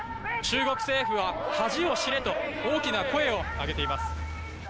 中国政府は恥を知れと大きな声を上げています。